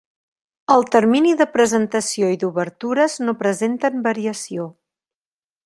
El termini de presentació i d'obertures no presenten variació.